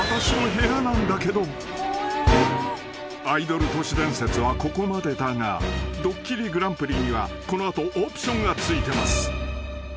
［アイドル都市伝説はここまでだが『ドッキリＧＰ』にはこの後オプションが付いてます］